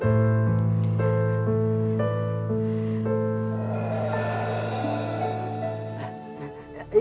kena dulu ya